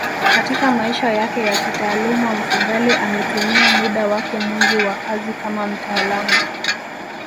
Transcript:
Katika maisha yake ya kitaaluma Mfugale ametumia muda wake mwingi wa kazi kama mtaalamu